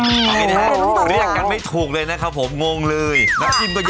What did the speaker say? เอาให้จ้างเดี๋ยวตรงนี้อย่างกันไม่ถูกเลยนะครับผมงงเลยน้ำจิ้มตัวเยอะมากเลย